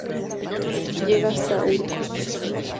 Llega hasta Urcos.